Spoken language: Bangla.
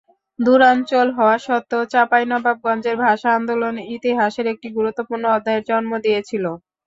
দূরাঞ্চল হওয়া সত্ত্বেও চাঁপাইনবাবগঞ্জের ভাষা আন্দোলন ইতিহাসের একটি গুরুত্বপূর্ণ অধ্যায়ের জন্ম দিয়েছিল।